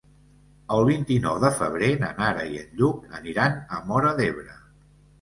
El vint-i-nou de febrer na Nara i en Lluc aniran a Móra d'Ebre.